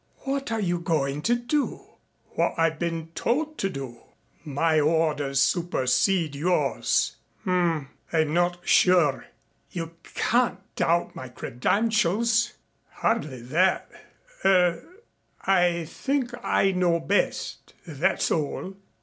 "What are you going to do?" "What I've been told to do." "My orders supersede yours." "H m. I'm not sure." "You can't doubt my credentials." "Hardly that. Er I think I know best, that's all."